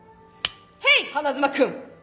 ヘイ花妻君！